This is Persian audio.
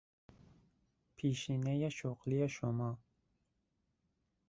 پیشینهی شغلی شما